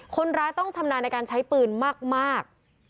คนร้ายต้องชำนาญในการใช้ปืนมาก